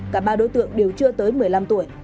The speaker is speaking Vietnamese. cả ba đối tượng đều chưa tới một mươi năm tuổi